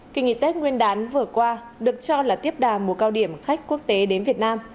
kỳ nghỉ tết nguyên đán vừa qua được cho là tiếp đà mùa cao điểm khách quốc tế đến việt nam